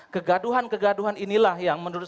kegaduhan kegaduhan inilah yang menurut